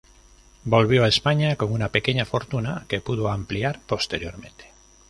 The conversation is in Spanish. Volvió a España con una pequeña fortuna, que pudo ampliar posteriormente.